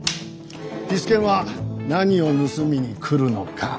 ピス健は何を盗みに来るのか。